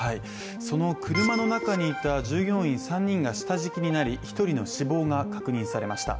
その車の中にいた従業員３人が下敷きとなり１人の死亡が確認されました。